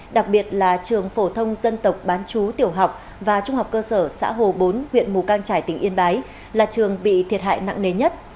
đặc biệt là trường phổ thông dân tộc bán chú tiểu học và trung học cơ sở xã hồ bốn huyện mù cang trải tỉnh yên bái là trường bị thiệt hại nặng nề nhất